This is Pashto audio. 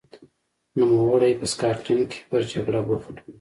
نوموړی په سکاټلند کې پر جګړه بوخت و.